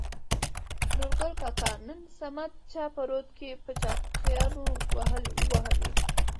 نورګل کاکا : نن صمد چا په رود کې په چاقيانو ووهلى.